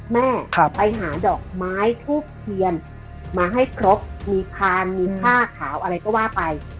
แม่ไปหาดอกไม้ทูบเทียนมาให้ครบมีพานมีผ้าขาวอะไรก็ว่าไป